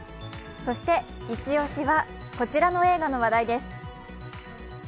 そしてイチ押しはこちらの映画の話題です。